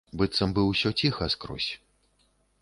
Быццам бы ўсё ціха скрозь.